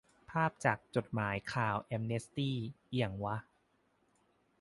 ภาพจากจดหมายข่าวแอมเนสตี้ อิหยังวะ